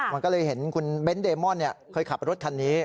มันก็เลยเห็นคุณเบ้นเดมอนเคยขับรถคันนี้